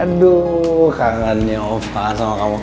aduh kangennya ova sama kamu